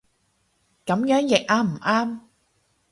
噉樣譯啱唔啱